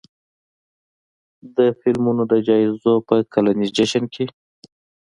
د فلمونو د جایزو په کلني جشن کې